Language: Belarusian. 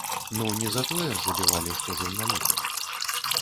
Ну, не за тое ж забівалі, што журналіст!